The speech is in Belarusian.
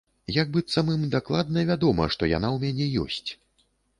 Як быццам ім дакладна вядома, што яна ў мяне ёсць.